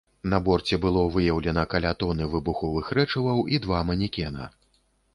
На борце было выяўлена каля тоны выбуховых рэчываў і два манекена.